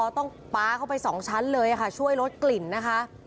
ต้องป๊าเข้าไป๒ชั้นเลยค่ะช่วยลดกลิ่นนะคะ